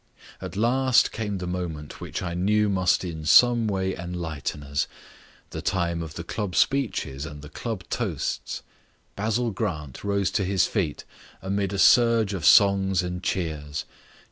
At last came the moment which I knew must in some way enlighten us, the time of the club speeches and the club toasts. Basil Grant rose to his feet amid a surge of songs and cheers.